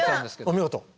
お見事。